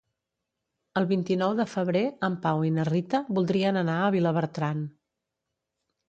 El vint-i-nou de febrer en Pau i na Rita voldrien anar a Vilabertran.